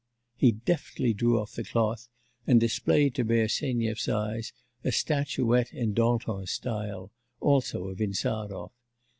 He deftly drew off the cloth, and displayed to Bersenyev's eyes a statuette in Dantan's style, also of Insarov.